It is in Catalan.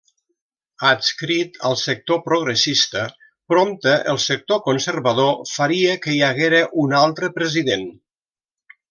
Adscrit al sector progressista, prompte el sector conservador faria que hi haguera un altre president.